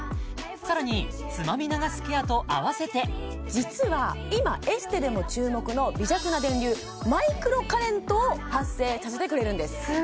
さらにつまみ流すケアとあわせて実は今エステでも注目の微弱な電流マイクロカレントを発生させてくれるんです